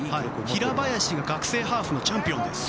平林が学生ハーフのチャンピオンです。